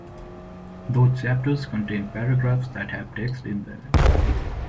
Those "chapters" contain "paragraphs" that have text in them.